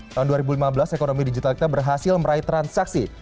tahun dua ribu lima belas ekonomi digital kita berhasil meraih transaksi